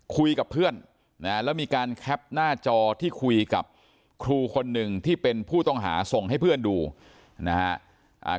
คุยกับเพื่อนนะฮะแล้วมีการแคปหน้าจอที่คุยกับครูคนหนึ่งที่เป็นผู้ต้องหาส่งให้เพื่อนดูนะฮะ